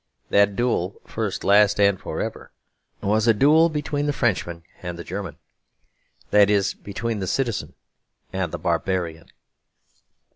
That duel, first, last, and for ever, was a duel between the Frenchman and the German; that is, between the citizen and the barbarian.